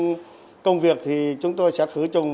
trong công việc thì chúng tôi sẽ khử trùng